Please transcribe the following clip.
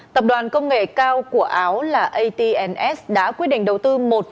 tập đoàn công nghệ cao của áo là at s đã quyết định đầu tư